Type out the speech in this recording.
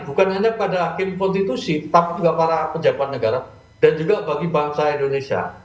bukan hanya pada hakim konstitusi tapi juga para pejabat negara dan juga bagi bangsa indonesia